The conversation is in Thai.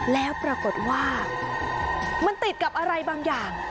แล้วปรากฏว่ามันติดกับอะไรบางอย่าง